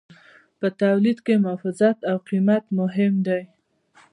په تولید کې محافظت او قیمت مهم دي.